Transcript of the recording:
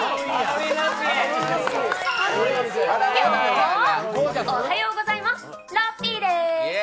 ぴょん、おはようございますラッピーです！